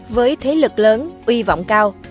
với thế lực lớn uy vọng cao